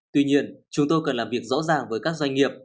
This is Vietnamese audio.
tuy nhiên chúng tôi cần làm việc rõ ràng với các doanh nghiệp